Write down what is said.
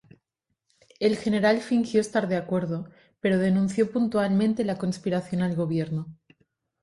El general fingió estar de acuerdo, pero denunció puntualmente la conspiración al gobierno.